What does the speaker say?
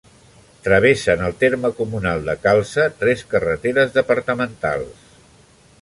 Travessen el terme comunal de Calce tres carreteres departamentals.